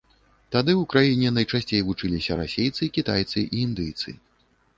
Тады ў краіне найчасцей вучыліся расейцы, кітайцы і індыйцы.